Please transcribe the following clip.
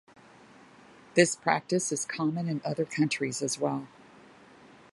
This practice is common in other countries as well.